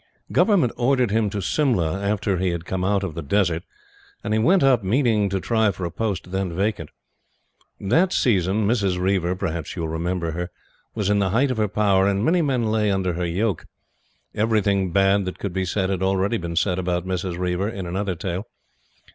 Government ordered him to Simla after he had come out of the desert; and he went up meaning to try for a post then vacant. That season, Mrs. Reiver perhaps you will remember her was in the height of her power, and many men lay under her yoke. Everything bad that could be said has already been said about Mrs. Reiver, in another tale.